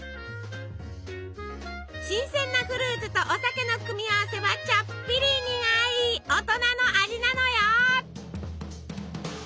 新鮮なフルーツとお酒の組み合わせはちょっぴり苦い大人の味なのよ。